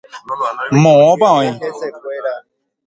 Moõpa oĩ.